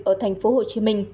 ở thành phố hồ chí minh